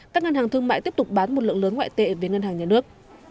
các ngân hàng thương mại tiếp tục bán một lượng lớn ngoại tệ về ngân hàng nhà nước